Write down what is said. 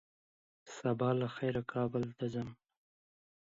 سبا له خيره کابل ته ځم